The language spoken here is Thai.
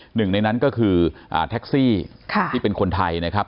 หนึ่งในนั้นก็คือแท็กซี่ที่เป็นคนไทยนะครับ